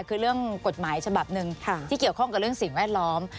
คือเรื่องกฎหมายฉบับหนึ่งที่เกี่ยวข้องกับเรื่องสิ่งแวดล้อม